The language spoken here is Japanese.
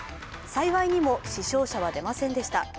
幸いにも死傷者は出ませんでした。